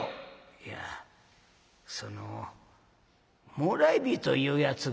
「いやそのもらい火というやつが」。